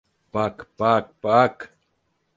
Bak, bak, bak.